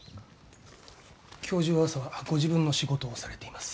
教授は朝はご自分の仕事をされています。